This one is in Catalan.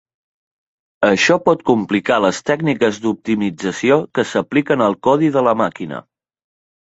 Això pot complicar les tècniques d'optimització que s'apliquen al codi de la màquina.